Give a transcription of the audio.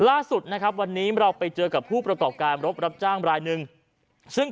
ล่าสุดไปเจอกับผู้ประกอบรับรับจ้างบรายนึง